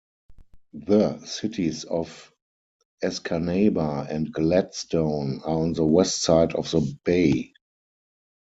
The cities of Escanaba and Gladstone are on the west side of the bay.